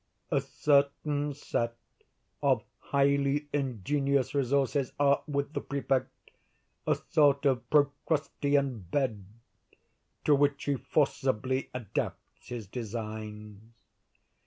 A certain set of highly ingenious resources are, with the Prefect, a sort of Procrustean bed, to which he forcibly adapts his designs.